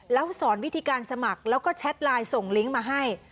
แล้วสอนวิธีการสมัครแล้วก็แชทไลน์ส่งลิงก์มาให้